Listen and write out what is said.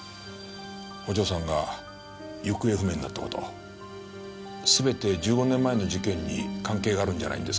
お嬢さんが行方不明になった事全て１５年前の事件に関係があるんじゃないんですか？